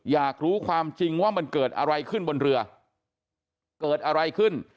อยากรู้ความจริงว่ามันเกิดอะไรขึ้นบนเรือเกิดอะไรขึ้น